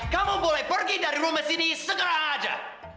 kamu boleh pergi dari rumah sini segera aja